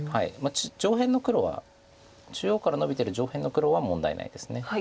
上辺の黒は中央からのびてる上辺の黒は問題ないです。